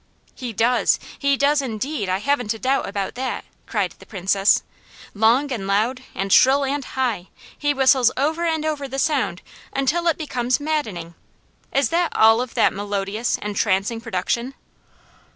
'" "He does! He does indeed! I haven't a doubt about that!" cried the Princess. "'Long, and loud, and shrill, and high,' he whistles over and over the sound, until it becomes maddening. Is that all of that melodious, entrancing production?"